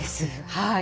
はい。